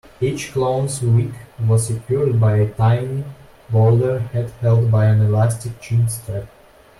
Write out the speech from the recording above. Each clown's wig was secured by a tiny bowler hat held by an elastic chin-strap.